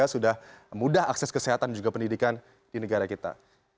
sudah mudah akses kesehatan juga pendidikan di negara kita